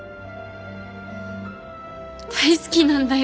大好きなんだよ。